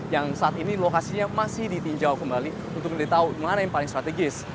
yang saat ini lokasinya masih ditinjau kembali untuk mencari tahu mana yang paling strategis